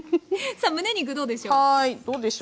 さあむね肉どうでしょう？